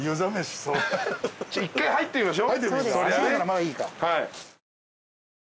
一回入ってみましょう。